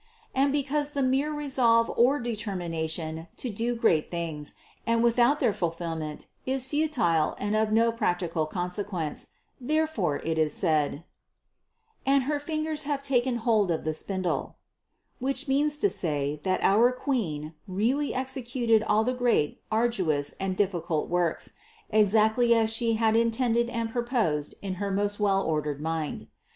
And because the mere resolve or determination to do great things and without their ful fillment is futile and of no practical consequence, there fore it is said : "And her fingers have taken hold of the spindle," which means to say, that our Queen really executed all the great, arduous and difficult works, ex actly as She had intended and proposed in her most well ordered mind.